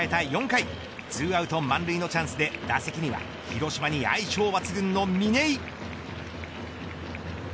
４回２アウト満塁のチャンスで打席には広島に相性抜群の嶺井。